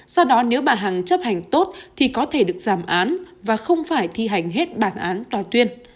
do đó nếu bà hằng chấp hành tốt thì có thể được giảm án và không phải thi hành hết bản án tòa tuyên